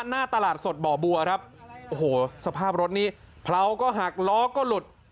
หน้าตลาดสดบ่อบัวครับโอ้โหสภาพรถนี้เผาก็หักล้อก็หลุด